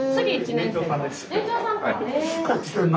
年長さんか。